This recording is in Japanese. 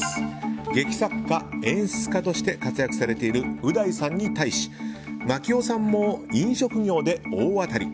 劇作家・演出家として活躍されている、う大さんに対し槙尾さんも飲食業で大当たり。